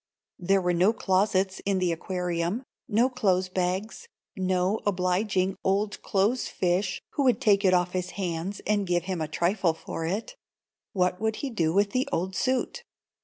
There were no closets in the aquarium, no clothes bags, no obliging old clothes fish who would take it off his hands and give him a trifle for it. What would he do with the old suit?